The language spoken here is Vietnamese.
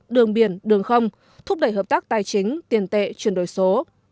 đường biển đường không thúc đẩy hợp tác tài chính tiền tệ chuyển đổi số